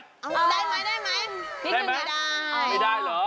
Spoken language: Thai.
ได้ไหมได้ไหมไม่ได้ไม่ได้เหรอ